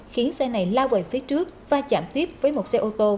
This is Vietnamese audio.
khiến xe này lao về phía trước và chạm tiếp với một xe ô tô